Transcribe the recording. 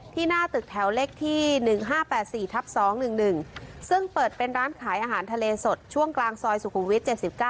หน้าตึกแถวเลขที่๑๕๘๔ทับ๒๑๑ซึ่งเปิดเป็นร้านขายอาหารทะเลสดช่วงกลางซอยสุขุมวิทย๗๙